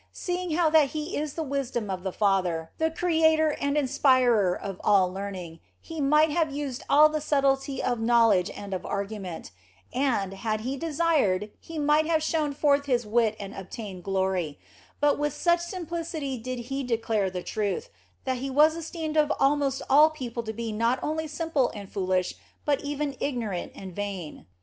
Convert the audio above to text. Seeing how that He is the Wisdom of the Father, the Creator and Inspirer of all learning, He might have used all the subtilty of knowledge and of argument, and, had He desired, He might have shown forth His wit and obtained glory ; but with such simplicity did He declare the truth that He was esteemed of almost all people to be not only simple and foolish, but even ignorant and vain.